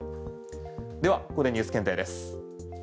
ではここでＮＥＷＳ検定です。